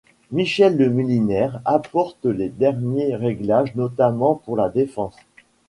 Michel Le Millinaire apportent les derniers réglages, notamment pour la défense.